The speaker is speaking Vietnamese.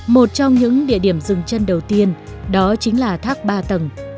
một trong những địa điểm rừng chân đầu tiên đó chính là thác ba tầng